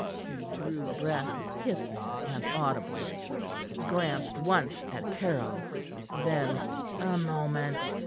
He drew breath, hissing and audible, glanced once at Caryll; then: "A moment!"